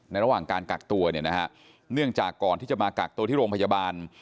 ระหว่างการกักตัวเนี่ยนะฮะเนื่องจากก่อนที่จะมากักตัวที่โรงพยาบาล